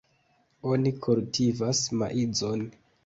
Oni kultivas maizon.